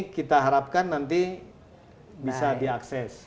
kita harapkan nanti bisa diakses